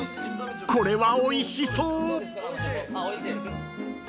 ［これはおいしそう］